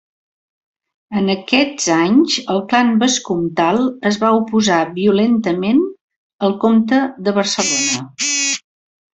En aquests anys el clan vescomtal es va oposar violentament al comte de Barcelona.